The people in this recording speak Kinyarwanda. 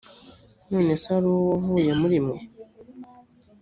none se hari uwo wavuye muri mwe